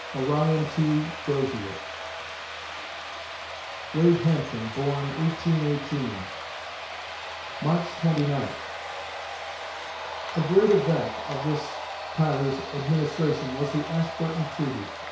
ORION T. DOZIER Wade Hampton born, 1818 March Twenty Ninth A great event of this [Tyler's] administration was the Ashburton Treaty.